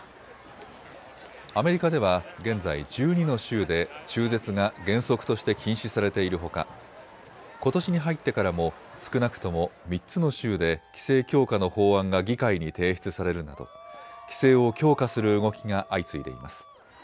アメリカでは現在、１２の州で中絶が原則として禁止されているほかことしに入ってからも少なくとも３つの州で規制強化の法案が議会に提出されるなど規制を強化する動きが相次いでいます。